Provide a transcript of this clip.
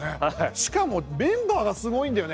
しかもメンバーがすごいんだよね。